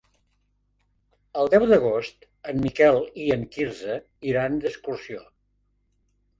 El deu d'agost en Miquel i en Quirze iran d'excursió.